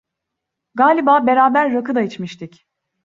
Galiba beraber rakı da içmiştik.